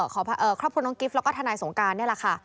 ครอบครัวน้องกิฟต์และทนายสงการ